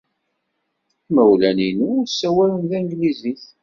Imawlan-inu ur ssawalen tanglizit.